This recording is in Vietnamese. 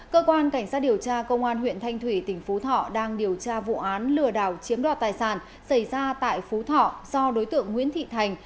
cơ quan cảnh sát điều tra công an huyện thanh thủy tỉnh phú thọ đang điều tra vụ án lừa đảo chiếm đoạt tài sản xảy ra tại phú thọ do đối tượng nguyễn thị thành